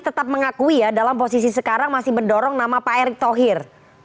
tetap mengakui ya dalam posisi sekarang masih mendorong nama pak erick thohir